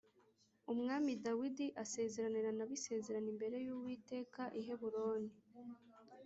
Umwami Dawidi asezeranira na bo isezerano imbere y’Uwiteka i Heburoni